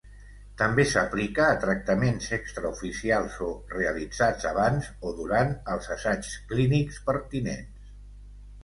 També s'aplica a tractaments extraoficials o realitzats abans o durant els assaigs clínics pertinents.